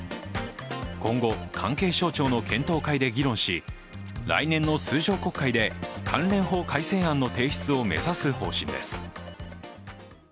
今後、関係省庁の検討会で議論し来年の通常国会で関連法改正案の提出を目指す方針です。